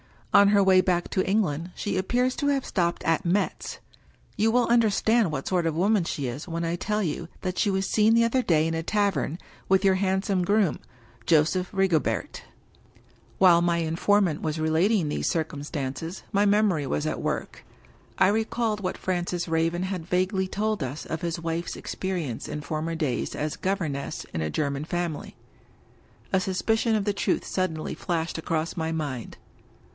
On her way back to England she ap pears to have stopped at Metz. You will understand what sort of woman she is when I tell you that she was seen the other day in a tavern with your handsome groom, Joseph Rigobert." While my informant was relating these circumstances, my memory was at work. I recalled what Francis Raven 263 English Mystery Stories had vaguely told us of his wife's experience in former days as governess in a German family. A suspicion of the truth suddenly flashed across my mind.